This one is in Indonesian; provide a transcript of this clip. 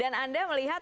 dan anda melihat